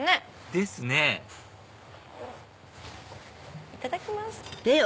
ですねいただきます。